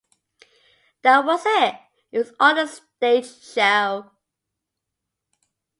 That was it, it was all a staged show.